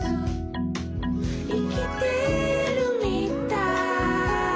「いきてるみたい」